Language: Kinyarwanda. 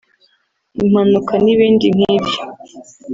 impanuka n’ibindi nk’ibyo